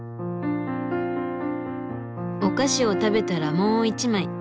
お菓子を食べたらもう一枚。